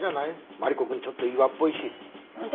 マリコくんちょっと岩っぽいし。なんて